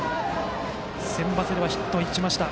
センバツではヒットを打ちました。